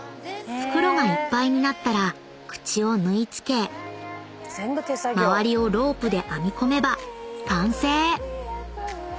袋がいっぱいになったら口を縫い付け周りをロープで編み込めば完成］